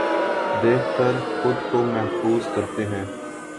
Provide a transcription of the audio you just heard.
دیکھ کر خود کو محظوظ کرتے ہیں